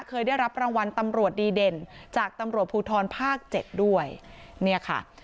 เคยได้รับรางวัลตำรวจดีเด่นจากตำรวจภูทรภาคเจ็ดด้วยเนี่ยค่ะ